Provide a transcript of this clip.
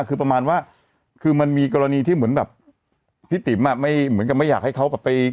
คือประมาณว่าคือมันมีกรณีที่เหมือนแบบพี่ติ๋มอ่ะไม่เหมือนกับไม่อยากให้เขาแบบไป